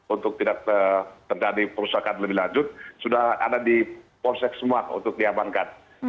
untuk tidak terjadi perusakan lebih lanjut sudah ada di polsek semua untuk diamankan